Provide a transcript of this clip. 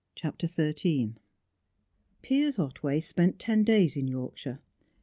CHAPTER XIII Piers Otway spent ten days in Yorkshire.